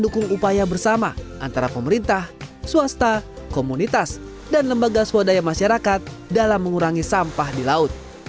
mendukung upaya bersama antara pemerintah swasta komunitas dan lembaga swadaya masyarakat dalam mengurangi sampah di laut